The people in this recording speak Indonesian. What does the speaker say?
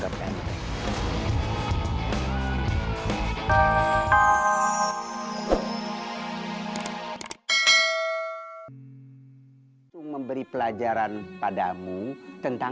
sampai jumpa di video selanjutnya